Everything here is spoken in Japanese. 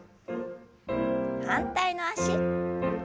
反対の脚。